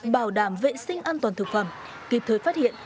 bảo đảm vệ sinh an toàn thực phẩm kịp thời phát hiện